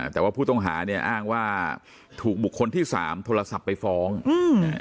แต่ว่าผู้ต้องหาเนี่ยอ้างว่าถูกบุคคลที่สามโทรศัพท์ไปฟ้องอืมอ่า